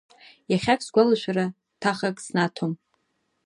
Иахьак сгәалашәара ҭахак снаҭом…